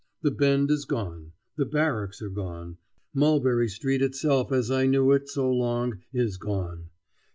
The Bend is gone; the Barracks are gone; Mulberry Street itself as I knew it so long is gone.